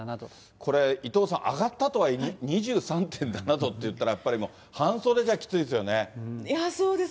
これ、伊藤さん、上がったとはいえ２３．７度といったら、やっぱりもう半袖じゃきそうです、